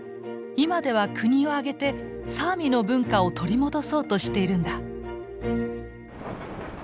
今では国を挙げてサーミの文化を取り戻そうとしているんだ。